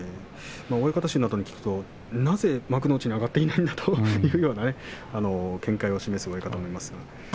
親方衆に聞くとなぜ幕内に上がっていないんだという見解を示す親方もいます。